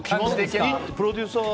プロデューサー